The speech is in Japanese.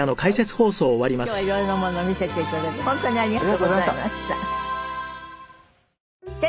今日はいろいろなものを見せていただいて本当にありがとうございました。